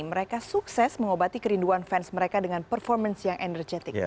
mereka sukses mengobati kerinduan fans mereka dengan performance yang energetic